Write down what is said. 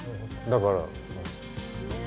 だから。